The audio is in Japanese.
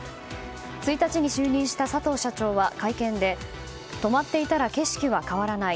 １日に就任した佐藤社長は会見で止まっていたら景色は変わらない。